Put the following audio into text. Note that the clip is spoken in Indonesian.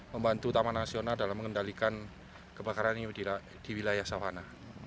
membantu taman nasional dalam mengendalikan kebakaran ini di wilayah savana